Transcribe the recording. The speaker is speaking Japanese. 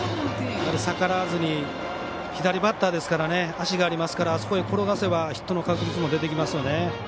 逆らわずに左バッターですから足がありますからあそこに転がせばヒットの確率も出てきますよね。